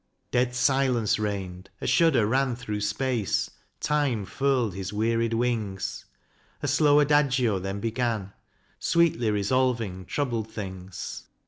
Dead silence reigned ; a shudder ran Through space : Time furled his wearied wings ; A slow adagio then began, Sweetly resolving troubled things.